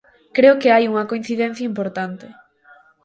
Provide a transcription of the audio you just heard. Creo que hai unha coincidencia importante.